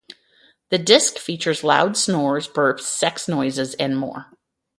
The disk features loud snores, burps, sex noises and more.